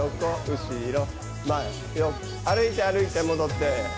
歩いて歩いて戻って。